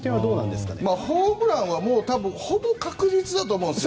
ホームランはほぼ確実だと思うんですよ。